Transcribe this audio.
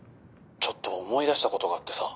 「ちょっと思い出した事があってさ」